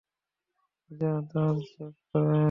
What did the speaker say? যা, তার চেক করে আয়।